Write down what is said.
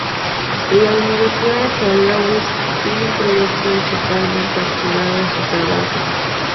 La Universidad de Saint Louis tiene un proyecto digitalmente archivado de su trabajo.